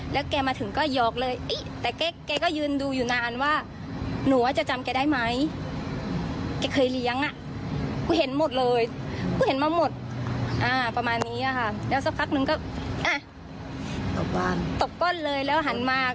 แล้วสักครั้งหนึ่งก็อ่ะตบก้นเลยแล้วหันมา